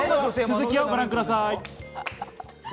続きをご覧ください。